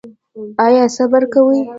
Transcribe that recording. ایا صبر کوئ؟